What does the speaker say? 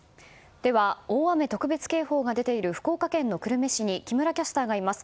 では大雨特別警報が出ている福岡県久留米市に木村キャスターがいます。